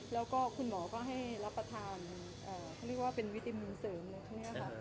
แล้วก็คุณหมอก็ให้รับประทานเรียกว่าเป็นวิติมินเสริมเลยครับ